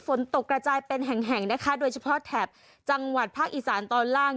ฝนตกกระจายเป็นแห่งแห่งนะคะโดยเฉพาะแถบจังหวัดภาคอีสานตอนล่าง